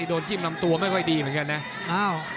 โดนจิ้มลำตัวไม่ค่อยดีเหมือนกันนะ